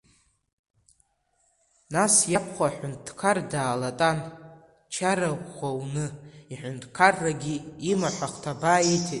Нас иабхәа, аҳәынҭқар даалатан, чара ӷәӷәа уны, иҳәынҭқаррагьы имаҳә ахҭабаа ииҭеит.